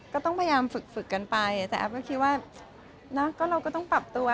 ก็ต้องพยายามฝึกกันไปแต่แอฟก็คิดว่าเราก็ต้องปรับตัว